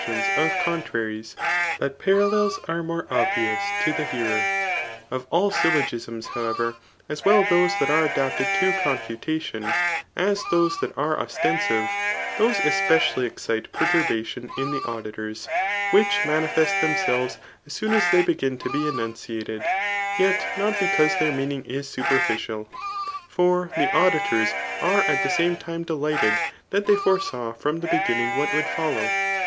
tions of contraries ; but parallels are more obvious to die hearer. Of all syllogisms, however, as well those that are adapted to confutation, as those that are ostensive^ those e^>ecially excite perturbation [in the auditors] which manifest themselves as soon as they begin to be tnuadated, yet not because their meaning is superfidaL For the auditors are at the same time delighted that they foreiaw from the beginning what would follow.